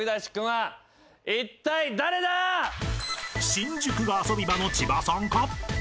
［新宿が遊び場の千葉さんか？］